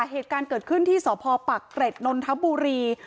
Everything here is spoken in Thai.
เหตุการณ์เกิดขึ้นที่สพปักเกร็ดนนทบุรี